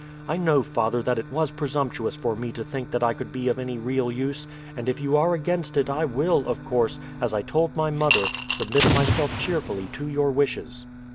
I know, father, that it was presumptuous for me to think that I could be of any real use; and if you are against it I will, of course, as I told my mother, submit myself cheerfully to your wishes."